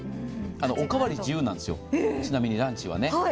お代わり自由なんですよ、ちなみにランチはね。